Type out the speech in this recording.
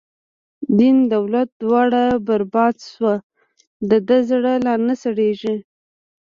دین دولت دواړه بر باد شو، د ده زړه لا نه سړیږی